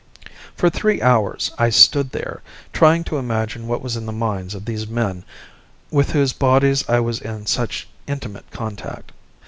For three hours I stood there, trying to imagine what was in the minds of these men with whose bodies I was in such intimate contact.